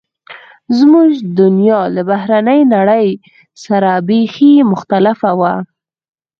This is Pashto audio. زموږ دنیا له بهرنۍ نړۍ سره بیخي مختلفه وه